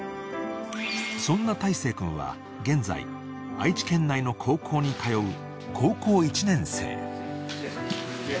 ［そんな大生君は現在愛知県内の高校に通う高校１年生］